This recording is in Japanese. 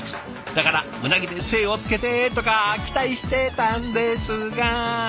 だから「うなぎで精をつけて」とか期待してたんですが。